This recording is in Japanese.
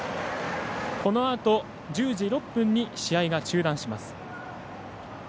このあと、１０時６分に試合が中断します。